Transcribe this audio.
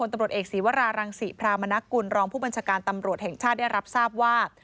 ตำรวจเอกศีวรารังศรีพรามนกุลรองผู้บัญชาการตำรวจแห่งชาติได้รับทราบว่า